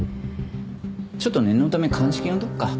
ちょっと念のため鑑識呼んでおくか。